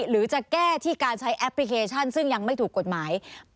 หรือจะแก้ที่การใช้แอปพลิเคชันซึ่งยังไม่ถูกกฎหมาย